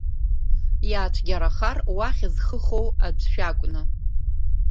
Иаацәгьарахар, уахь зхы хоу аӡәы шәакәны.